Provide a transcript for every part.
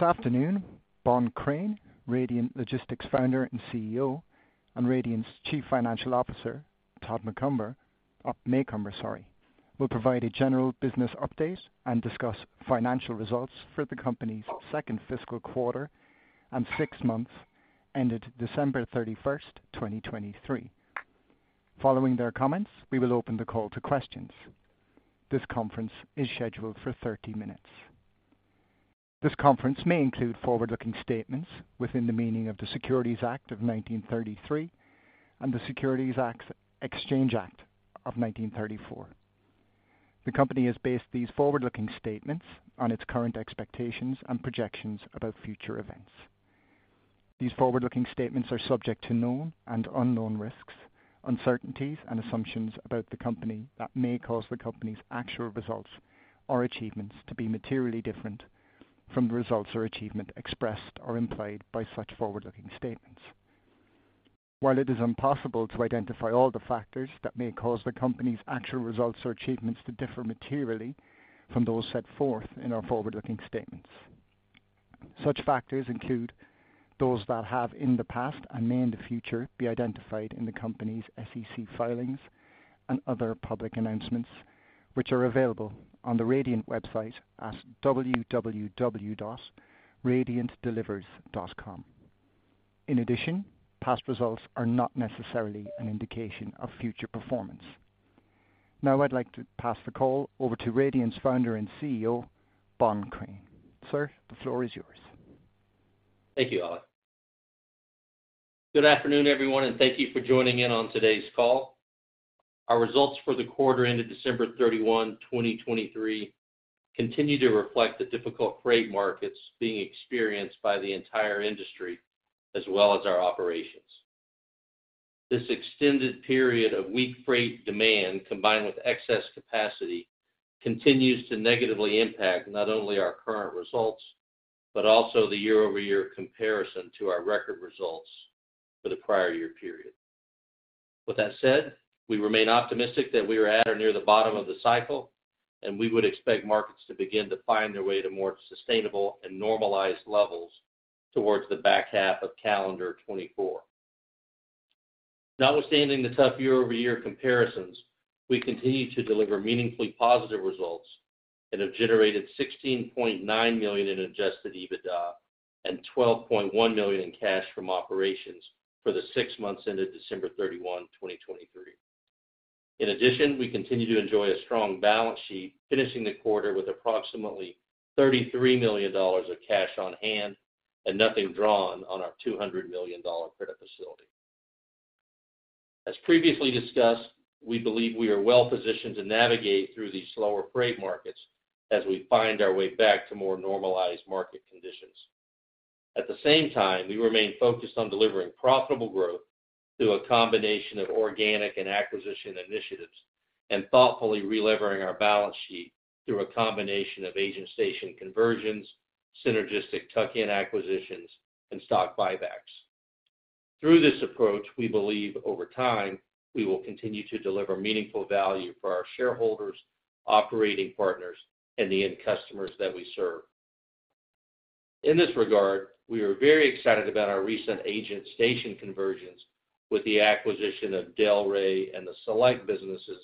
This afternoon, Bohn Crain, Radiant Logistics Founder and CEO, and Radiant's Chief Financial Officer, Todd Macomber, will provide a general business update and discuss financial results for the company's second fiscal quarter and six months ended December 31st, 2023. Following their comments, we will open the call to questions. This conference is scheduled for 30 minutes. This conference may include forward-looking statements within the meaning of the Securities Act of 1933 and the Securities Exchange Act of 1934. The company has based these forward-looking statements on its current expectations and projections about future events. These forward-looking statements are subject to known and unknown risks, uncertainties and assumptions about the company that may cause the company's actual results or achievements to be materially different from the results or achievement expressed or implied by such forward-looking statements. While it is impossible to identify all the factors that may cause the company's actual results or achievements to differ materially from those set forth in our forward-looking statements, such factors include those that have in the past and may in the future be identified in the company's SEC filings and other public announcements, which are available on the Radiant Logistics website at www.radiantdelivers.com. In addition, past results are not necessarily an indication of future performance. Now, I'd like to pass the call over to Radiant's Founder and CEO, Bohn Crain. Sir, the floor is yours. Thank you, Alex. Good afternoon, everyone, and thank you for joining in on today's call. Our results for the quarter ended December 31st, 2023, continue to reflect the difficult freight markets being experienced by the entire industry as well as our operations. This extended period of weak freight demand, combined with excess capacity, continues to negatively impact not only our current results, but also the year-over-year comparison to our record results for the prior year period. With that said, we remain optimistic that we are at or near the bottom of the cycle, and we would expect markets to begin to find their way to more sustainable and normalized levels towards the back half of calendar 2024. Notwithstanding the tough year-over-year comparisons, we continue to deliver meaningfully positive results and have generated $16.9 million in Adjusted EBITDA and $12.1 million in cash from operations for the six months ended December 31st, 2023. In addition, we continue to enjoy a strong balance sheet, finishing the quarter with approximately $33 million of cash on hand and nothing drawn on our $200 million credit facility. As previously discussed, we believe we are well positioned to navigate through these slower freight markets as we find our way back to more normalized market conditions. At the same time, we remain focused on delivering profitable growth through a combination of organic and acquisition initiatives, and thoughtfully relevering our balance sheet through a combination of agent station conversions, synergistic tuck-in acquisitions, and stock buybacks. Through this approach, we believe over time, we will continue to deliver meaningful value for our shareholders, operating partners, and the end customers that we serve. In this regard, we are very excited about our recent agent station conversions with the acquisition of Daleray and the Select businesses,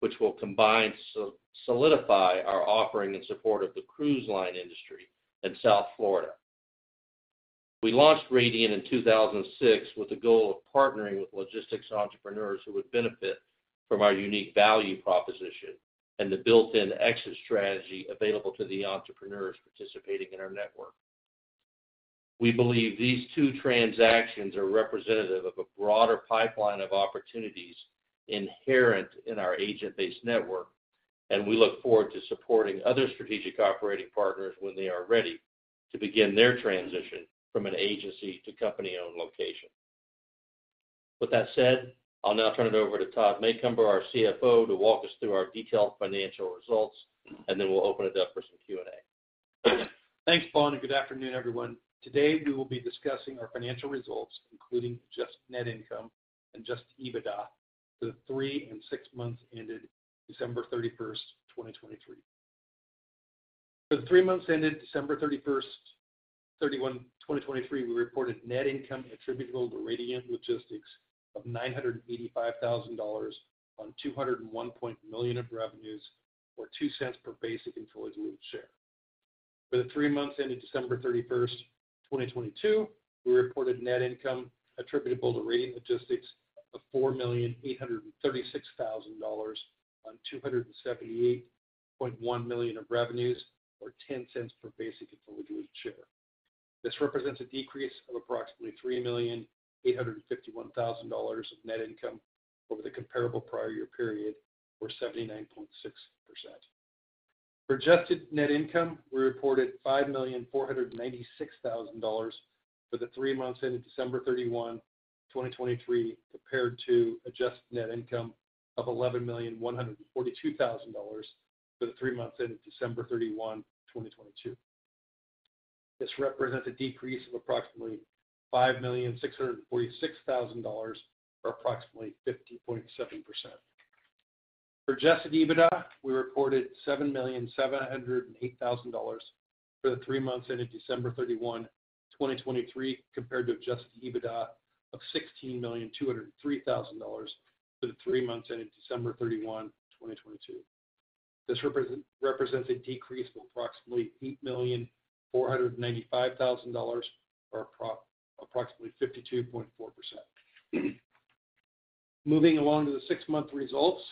which will combine to solidify our offering in support of the cruise line industry in South Florida. We launched Radiant Logistic in 2006 with the goal of partnering with logistics entrepreneurs who would benefit from our unique value proposition and the built-in exit strategy available to the entrepreneurs participating in our network. We believe these two transactions are representative of a broader pipeline of opportunities inherent in our agent-based network, and we look forward to supporting other strategic operating partners when they are ready to begin their transition from an agency to company-owned location. With that said, I'll now turn it over to Todd Macomber, our CFO, to walk us through our detailed financial results, and then we'll open it up for some Q&A. Thanks, Bohn, and good afternoon, everyone. Today, we will be discussing our financial results, including adjusted net income and adjusted EBITDA for the three and six months ended December 31, 2023. For the three months ended December 31, 2023, we reported net income attributable to Radiant Logistics of $985,000 on $201 million of revenues, or $0.02 per basic and fully diluted share. For the three months ended December 31, 2022, we reported net income attributable to Radiant Logistics of $4,836,000 on $278.1 million of revenues, or $0.10 per basic and fully diluted share. This represents a decrease of approximately $3,851,000 of net income over the comparable prior year period, or 79.6%. For Adjusted Net Income, we reported $5,496,000 for the three months ended December 31, 2023, compared to Adjusted Net Income of $11,142,000 for the three months ended December 31, 2022. This represents a decrease of approximately $5,646,000, or approximately 50.7%. For Adjusted EBITDA, we reported $7,708,000 for the three months ended December 31, 2023, compared to Adjusted EBITDA of $16,203,000 for the three months ended December 31, 2022. This represents a decrease of approximately $8,495,000, or approximately 52.4%. Moving along to the six-month results.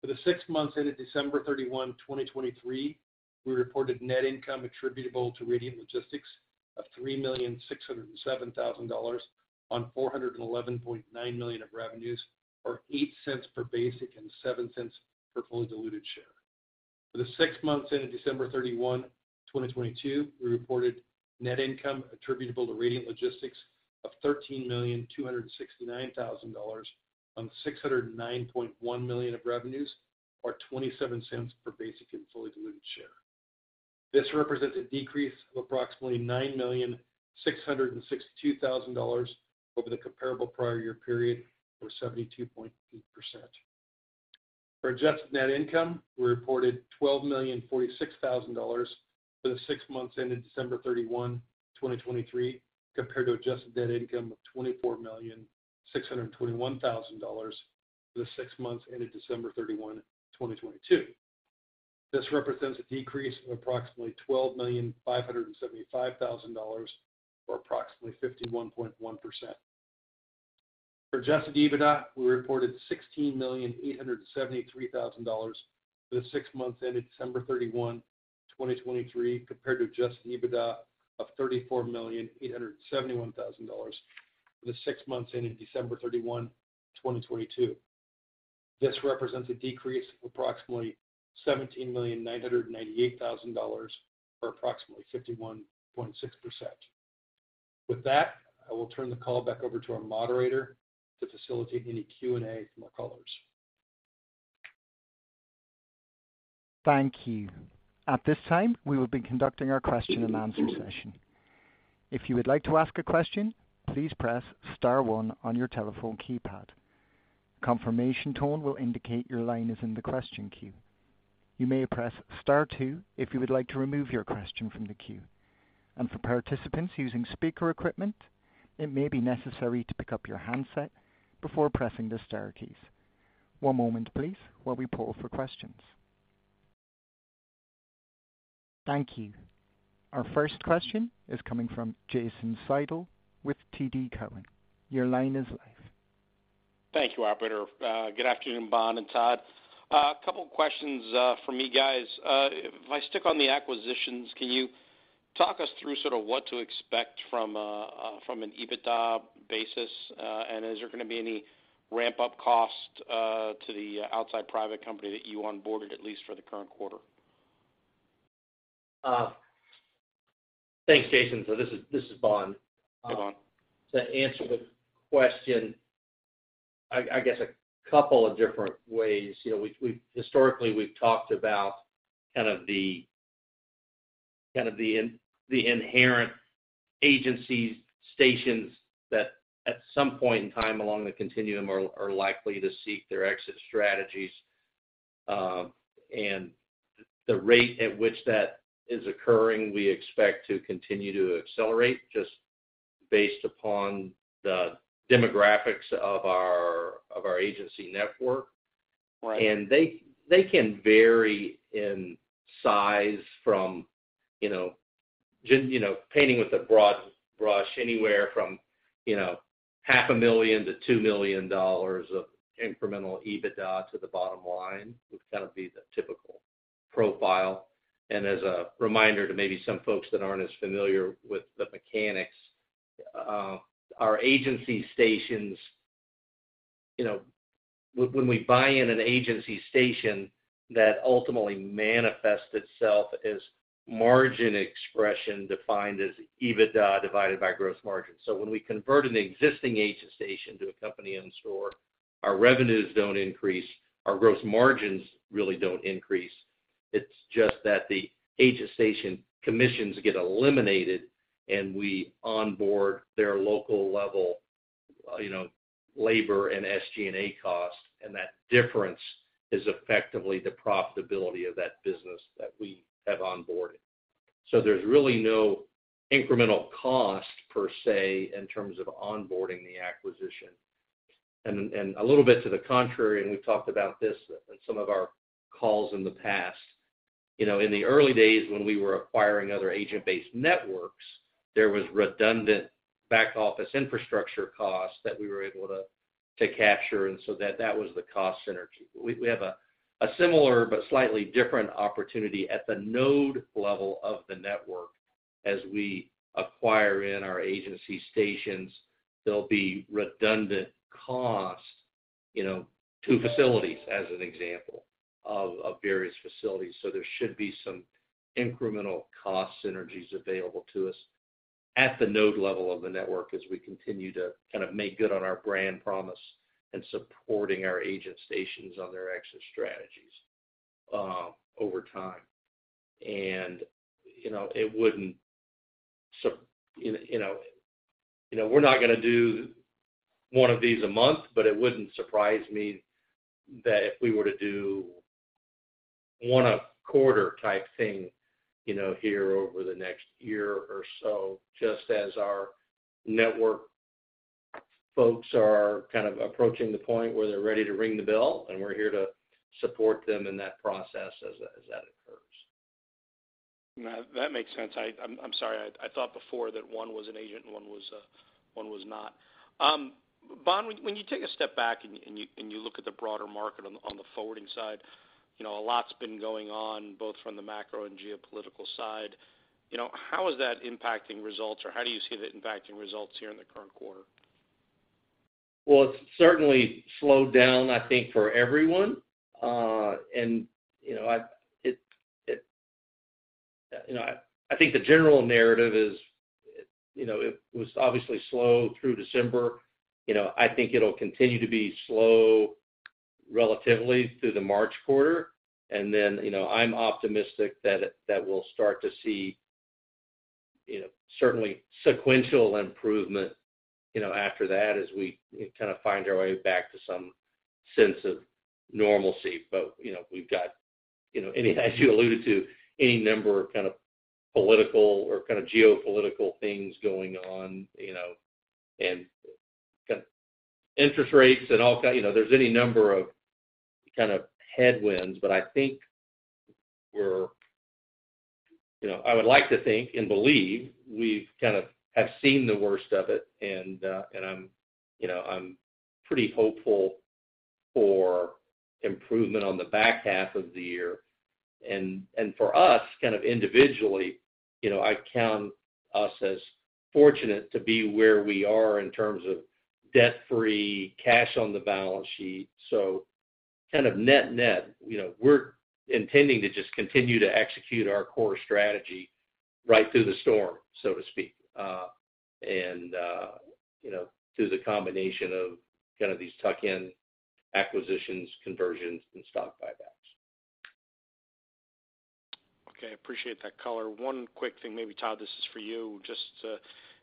For the six months ended December 31, 2023, we reported net income attributable to Radiant Logistics of $3,607,000 on $411.9 million of revenues, or 8 cents per basic and 7 cents per fully diluted share. For the six months ended December 31, 2022, we reported net income attributable to Radiant Logistics of $13,269,000 on $609.1 million of revenues, or 27 cents per basic and fully diluted share. This represents a decrease of approximately $9,662,000 over the comparable prior year period, or 72.8%. For Adjusted Net Income, we reported $12,046,000 for the six months ended December 31, 2023, compared to Adjusted Net Income of $24,621,000 for the six months ended December 31, 2022. This represents a decrease of approximately $12,575,000, or approximately 51.1%. For Adjusted EBITDA, we reported $16,873,000 for the six months ended December 31, 2023, compared to Adjusted EBITDA of $34,871,000 for the six months ended December 31, 2022. This represents a decrease of approximately $17,998,000, or approximately 51.6%. With that, I will turn the call back over to our moderator to facilitate any Q&A from our callers. Thank you. At this time, we will be conducting our question and answer session. If you would like to ask a question, please press star one on your telephone keypad. Confirmation tone will indicate your line is in the question queue. You may press star two if you would like to remove your question from the queue. For participants using speaker equipment, it may be necessary to pick up your handset before pressing the star keys. One moment please, while we poll for questions. Thank you. Our first question is coming from Jason Seidl with TD Cowen. Your line is live. Thank you, operator. Good afternoon, Bohn and Todd. A couple questions from me, guys. If I stick on the acquisitions, can you talk us through sort of what to expect from an EBITDA basis? And is there going to be any ramp-up cost to the outside private company that you onboarded, at least for the current quarter? Thanks, Jason. So this is Bohn. Hi, Bohn. To answer the question, I guess a couple of different ways. You know, we've historically talked about kind of the inherent agent stations that at some point in time along the continuum are likely to seek their exit strategies. And the rate at which that is occurring, we expect to continue to accelerate just based upon the demographics of our agent network. Right. They can vary in size from, you know, just, you know, painting with a broad brush, anywhere from $0.5 million to $2 million of incremental EBITDA to the bottom line, would kind of be the typical profile. As a reminder to maybe some folks that aren't as familiar with the mechanics, our agent stations, you know, when we buy an agent station, that ultimately manifests itself as margin expansion, defined as EBITDA divided by gross margin. So when we convert an existing agent station to a company-owned store, our revenues don't increase, our gross margins really don't increase. It's just that the agent station commissions get eliminated, and we onboard their local labor and SG&A costs, and that difference is effectively the profitability of that business that we have onboarded. So there's really no incremental cost per se, in terms of onboarding the acquisition. And a little bit to the contrary, and we've talked about this in some of our calls in the past. You know, in the early days, when we were acquiring other agent-based networks, there was redundant back office infrastructure costs that we were able to capture, and so that was the cost synergy. We have a similar but slightly different opportunity at the node level of the network. As we acquire in our agent stations, there'll be redundant costs, you know, to facilities as an example of various facilities. So there should be some incremental cost synergies available to us at the node level of the network, as we continue to kind of make good on our brand promise and supporting our agent stations on their exit strategies, over time. And, you know, you know, we're not going to do one of these a month, but it wouldn't surprise me that if we were to do one a quarter type thing, you know, here over the next year or so, just as our network folks are kind of approaching the point where they're ready to ring the bell, and we're here to support them in that process as that occurs. That makes sense. I'm sorry, I thought before that one was an agent and one was not. Bohn, when you take a step back and you look at the broader market on the forwarding side, you know, a lot's been going on, both from the macro and geopolitical side. You know, how is that impacting results, or how do you see that impacting results here in the current quarter? Well, it's certainly slowed down, I think, for everyone. You know, I think the general narrative is, you know, it was obviously slow through December. You know, I think it'll continue to be slow relatively through the March quarter, and then, you know, I'm optimistic that we'll start to see, you know, certainly sequential improvement, you know, after that, as we kind of find our way back to some sense of normalcy. But, you know, we've got, you know, and as you alluded to, any number of kind of political or kind of geopolitical things going on, you know, and kind of interest rates and all kind... You know, there's any number of kind of headwinds, but I think we're, you know, I would like to think and believe we've kind of have seen the worst of it, and and I'm, you know, I'm pretty hopeful for improvement on the back half of the year. And for us, kind of individually, you know, I count us as fortunate to be where we are in terms of debt-free, cash on the balance sheet. So kind of net-net, you know, we're intending to just continue to execute our core strategy right through the storm, so to speak. And, you know, through the combination of kind of these tuck-in acquisitions, conversions, and stock buybacks. Okay, appreciate that color. One quick thing, maybe, Todd, this is for you. Just to,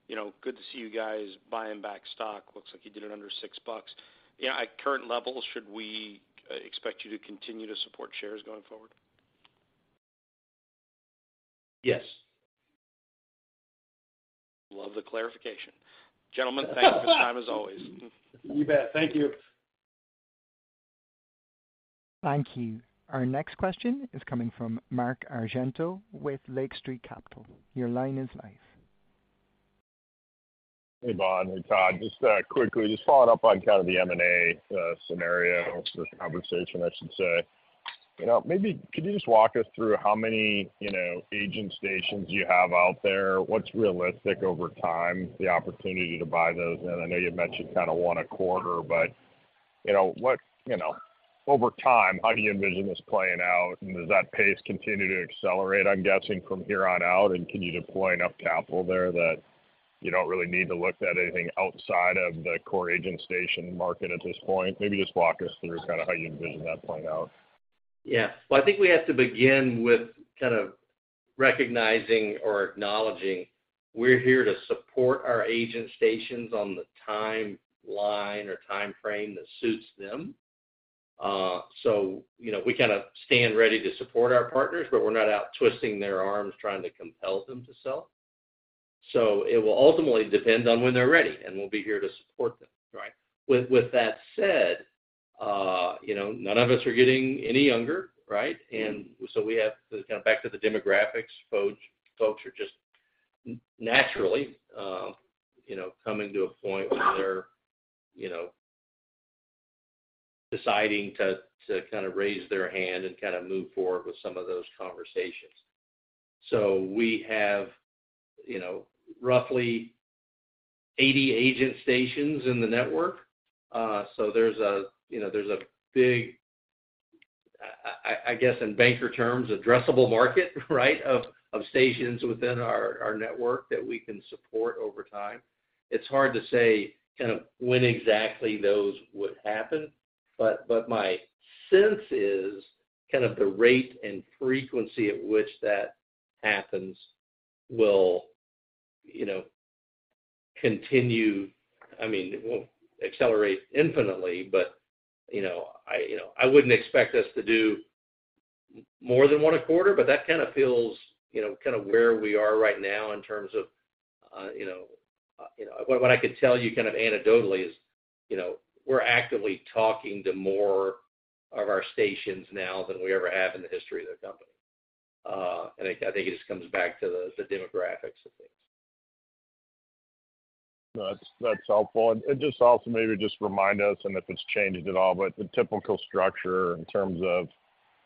you know, good to see you guys buying back stock. Looks like you did it under $6. You know, at current levels, should we expect you to continue to support shares going forward? Yes. Love the clarification. Gentlemen, thanks for the time, as always. You bet. Thank you. Thank you. Our next question is coming from Mark Argento with Lake Street Capital. Your line is live. Hey, Bohn, hey, Todd. Just quickly, just following up on kind of the M&A scenario or conversation, I should say. You know, maybe could you just walk us through how many, you know, agent stations you have out there? What's realistic over time, the opportunity to buy those? And I know you mentioned kind of one a quarter, but, you know, what, you know, over time, how do you envision this playing out? And does that pace continue to accelerate, I'm guessing, from here on out? And can you deploy enough capital there that you don't really need to look at anything outside of the core agent station market at this point? Maybe just walk us through kind of how you envision that playing out. Yeah. Well, I think we have to begin with kind of recognizing or acknowledging we're here to support our agent stations on the timeline or timeframe that suits them. So, you know, we kind of stand ready to support our partners, but we're not out twisting their arms, trying to compel them to sell. So it will ultimately depend on when they're ready, and we'll be here to support them, right? With that said, you know, none of us are getting any younger, right? And so we have to kind of back to the demographics, folks are just naturally, you know, coming to a point where they're, you know, deciding to, to kind of raise their hand and kind of move forward with some of those conversations. So we have, you know, roughly 80 agent stations in the network. So there's a, you know, there's a big, I guess, in banker terms, addressable market, right, of stations within our network that we can support over time. It's hard to say kind of when exactly those would happen, but my sense is kind of the rate and frequency at which that happens will, you know, continue. I mean, it won't accelerate infinitely, but, you know, I wouldn't expect us to do more than one a quarter, but that kind of feels, you know, kind of where we are right now in terms of, you know. What I could tell you kind of anecdotally is, you know, we're actively talking to more of our stations now than we ever have in the history of the company. I think it just comes back to the demographics of things. That's helpful. And just also maybe just remind us, and if it's changed at all, but the typical structure in terms of,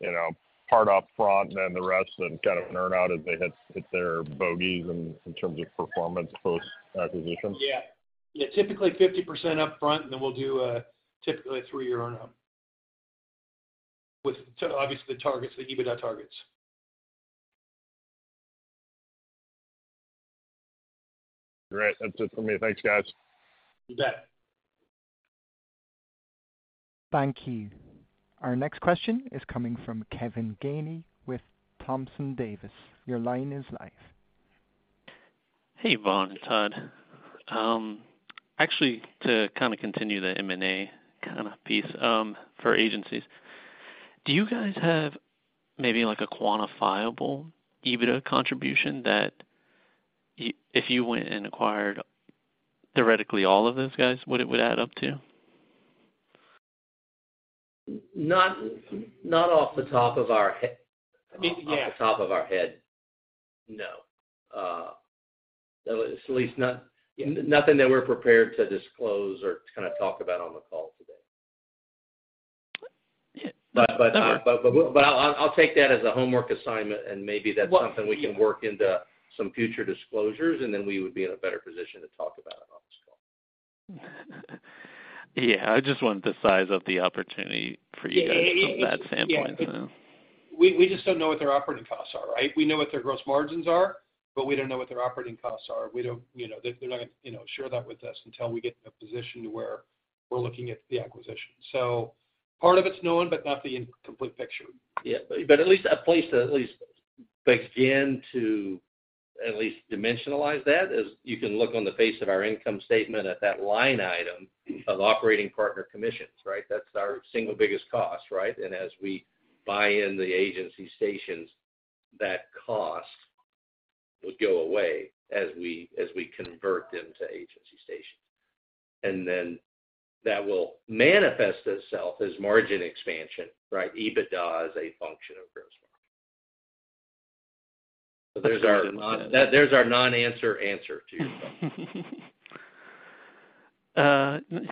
you know, part up front and then the rest then kind of an earn out as they hit their bogeys in terms of performance post-acquisition. Yeah. Yeah, typically 50% upfront, and then we'll do typically a three-year earn out with obviously the targets, the EBITDA targets. Great. That's it for me. Thanks, guys. You bet.... Thank you. Our next question is coming from Kevin Gainey with Thompson Davis. Your line is live. Hey, Bohn and Todd. Actually, to kind of continue the M&A kind of piece, for agencies, do you guys have maybe, like, a quantifiable EBITDA contribution that if you went and acquired, theoretically all of those guys, what it would add up to? not off the top of our he- Yeah. Off the top of our head, no. At least not, nothing that we're prepared to disclose or kind of talk about on the call today. Yeah. But I'll take that as a homework assignment, and maybe that's something we can work into some future disclosures, and then we would be in a better position to talk about it on this call. Yeah, I just want the size of the opportunity for you guys from that standpoint, you know? We just don't know what their operating costs are, right? We know what their gross margins are, but we don't know what their operating costs are. We don't... You know, they're not going to, you know, share that with us until we get in a position to where we're looking at the acquisition. So part of it's known, but not the complete picture. Yeah, but at least a place to begin to dimensionalize that is you can look on the face of our income statement at that line item of operating partner commissions, right? That's our single biggest cost, right? And as we buy in the agent stations, that cost would go away as we convert them to agent stations. And then that will manifest itself as margin expansion, right? EBITDA is a function of gross margin. There's our non-answer answer to you.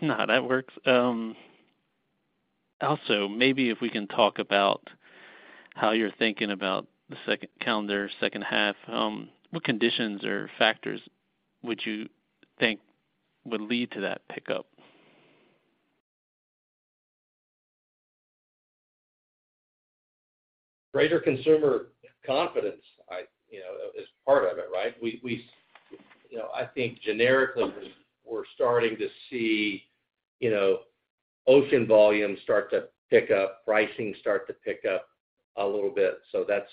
No, that works. Also, maybe if we can talk about how you're thinking about the second calendar, second half, what conditions or factors would you think would lead to that pickup? Greater consumer confidence, you know, is part of it, right? You know, I think generically, we're starting to see, you know, ocean volume start to pick up, pricing start to pick up a little bit. So that's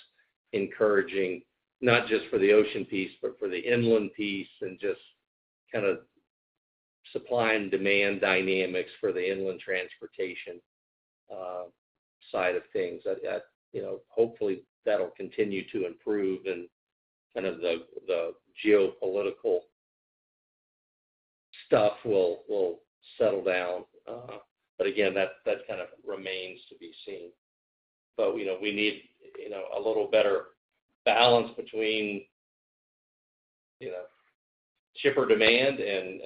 encouraging, not just for the ocean piece, but for the inland piece and just kind of supply and demand dynamics for the inland transportation side of things. That you know, hopefully that'll continue to improve and kind of the geopolitical stuff will settle down. But again, that kind of remains to be seen. But, you know, we need, you know, a little better balance between, you know, shipper demand and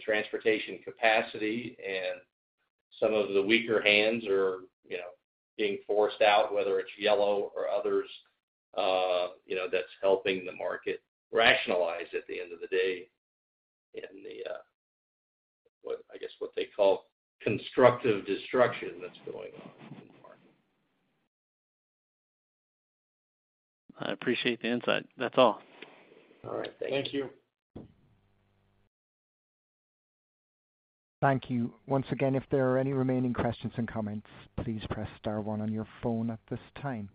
transportation capacity, and some of the weaker hands are, you know, being forced out, whether it's Yellow or others, you know, that's helping the market rationalize at the end of the day, in the what I guess, what they call constructive destruction that's going on in the market. I appreciate the insight. That's all. All right. Thank you. Thank you. Once again, if there are any remaining questions and comments, please press star one on your phone at this time.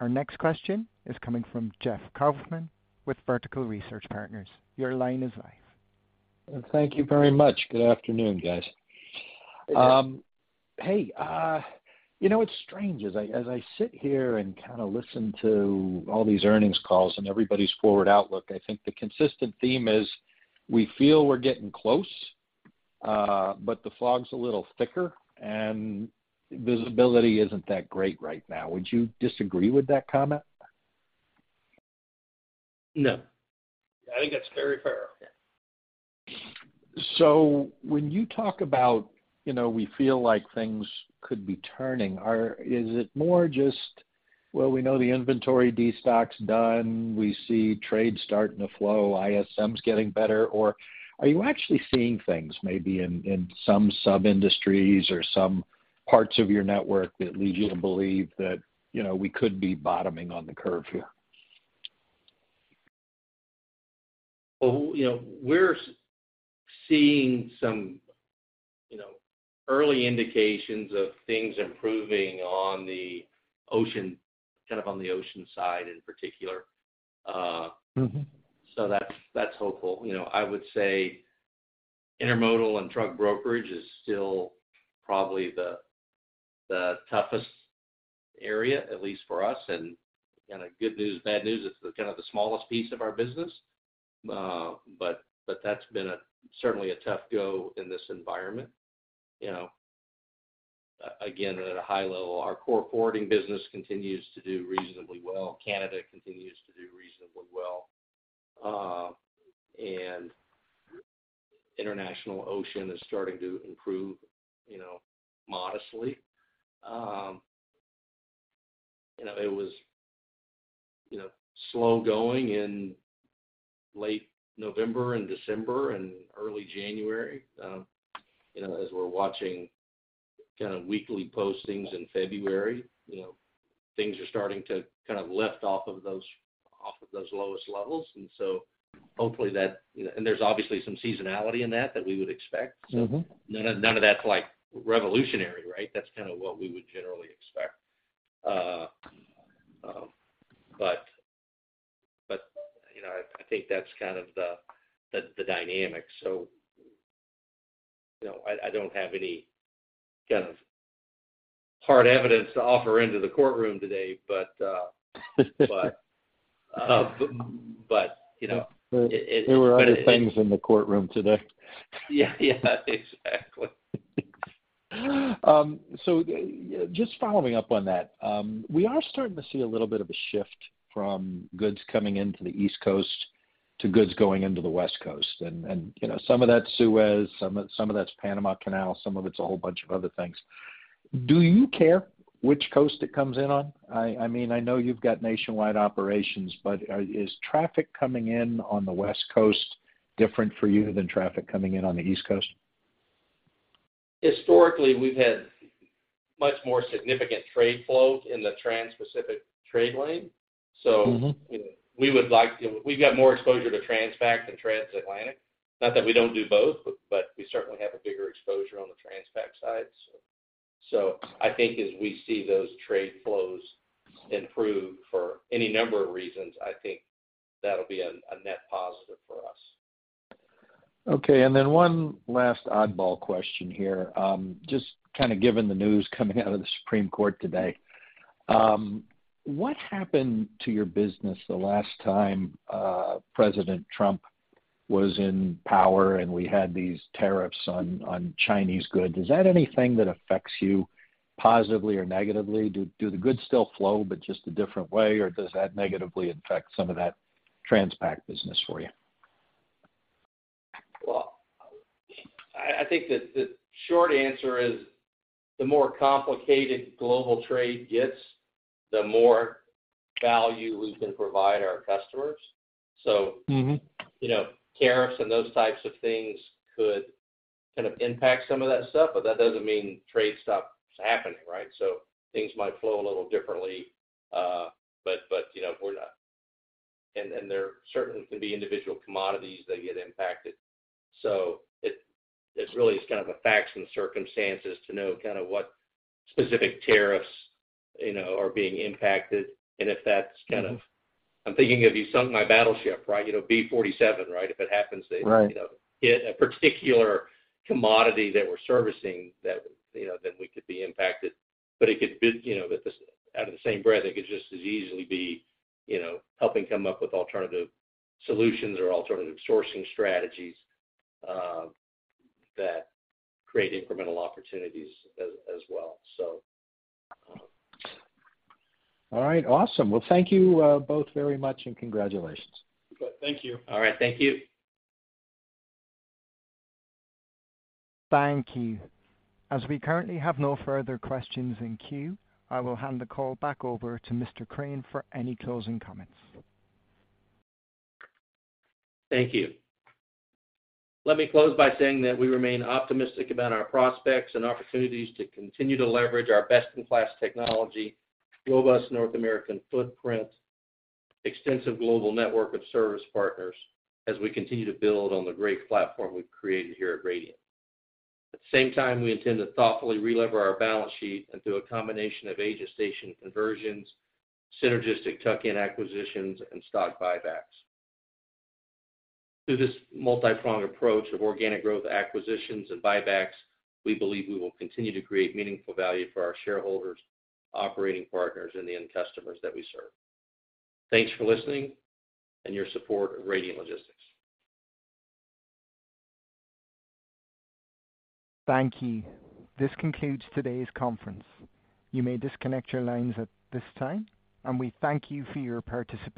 Our next question is coming from Jeff Kauffman with Vertical Research Partners. Your line is live. Thank you very much. Good afternoon, guys. Hey. Hey, you know, it's strange, as I sit here and kind of listen to all these earnings calls and everybody's forward outlook, I think the consistent theme is we feel we're getting close, but the fog's a little thicker, and visibility isn't that great right now. Would you disagree with that comment? No. I think that's very fair. So when you talk about, you know, we feel like things could be turning, is it more just, well, we know the inventory destock's done, we see trade starting to flow, ISM's getting better, or are you actually seeing things maybe in, in some sub-industries or some parts of your network that lead you to believe that, you know, we could be bottoming on the curve here? Well, you know, we're seeing some, you know, early indications of things improving on the ocean, kind of on the ocean side in particular. Mm-hmm. So that's hopeful. You know, I would say intermodal and truck brokerage is still probably the toughest area, at least for us, and kind of good news, bad news, it's kind of the smallest piece of our business. But that's been certainly a tough go in this environment. You know, again, at a high level, our core forwarding business continues to do reasonably well. Canada continues to do reasonably well. And international ocean is starting to improve, you know, modestly. You know, it was, you know, slow going in late November and December and early January, you know, as we're watching kind of weekly postings in February, you know, things are starting to kind of lift off of those lowest levels. And so hopefully that, you know, and there's obviously some seasonality in that that we would expect. Mm-hmm. So none of that's like revolutionary, right? That's kind of what we would generally expect. But, you know, I think that's kind of the dynamics. So, you know, I don't have any kind of hard evidence to offer into the courtroom today, but, but you know, it, it- There were other things in the courtroom today. Yeah. Yeah, exactly. So just following up on that, we are starting to see a little bit of a shift from goods coming into the East Coast to goods going into the West Coast. And, you know, some of that's Suez, some of that's Panama Canal, some of it's a whole bunch of other things. Do you care which coast it comes in on? I mean, I know you've got nationwide operations, but is traffic coming in on the West Coast different for you than traffic coming in on the East Coast? Historically, we've had much more significant trade flow in the Transpacific trade lane. Mm-hmm. We've got more exposure to Transpacific and Transatlantic. Not that we don't do both, but we certainly have a bigger exposure on the Transpacific side. So I think as we see those trade flows improve for any number of reasons, I think that'll be a net positive for us. Okay, and then one last oddball question here. Just kind of given the news coming out of the Supreme Court today. What happened to your business the last time President Trump was in power, and we had these tariffs on Chinese goods? Is that anything that affects you positively or negatively? Do the goods still flow, but just a different way, or does that negatively affect some of that Transpac business for you? Well, I think that the short answer is, the more complicated global trade gets, the more value we can provide our customers. Mm-hmm. So, you know, tariffs and those types of things could kind of impact some of that stuff, but that doesn't mean trade stops happening, right? So things might flow a little differently, but, you know, we're not... And there certainly can be individual commodities that get impacted. So it's really just kind of the facts and circumstances to know kind of what specific tariffs, you know, are being impacted. And if that's kind of- Mm-hmm. I'm thinking of you sunk my battleship, right? You know, B 47, right? If it happens to- Right... you know, hit a particular commodity that we're servicing, that, you know, then we could be impacted. But it could be, you know, but in the same breath, it could just as easily be, you know, helping come up with alternative solutions or alternative sourcing strategies that create incremental opportunities as well, so. All right. Awesome. Well, thank you, both very much, and congratulations. Thank you. All right. Thank you. Thank you. As we currently have no further questions in queue, I will hand the call back over to Mr. Crain for any closing comments. Thank you. Let me close by saying that we remain optimistic about our prospects and opportunities to continue to leverage our best-in-class technology, robust North American footprint, extensive global network of service partners, as we continue to build on the great platform we've created here at Radiant. At the same time, we intend to thoughtfully relever our balance sheet and through a combination of agent station conversions, synergistic tuck-in acquisitions, and stock buybacks. Through this multipronged approach of organic growth, acquisitions, and buybacks, we believe we will continue to create meaningful value for our shareholders, operating partners, and the end customers that we serve. Thanks for listening and your support of Radiant Logistics. Thank you. This concludes today's conference. You may disconnect your lines at this time, and we thank you for your participation.